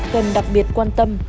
cần đặc biệt quan tâm